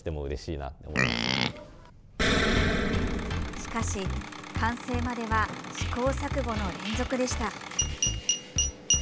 しかし、完成までは試行錯誤の連続でした。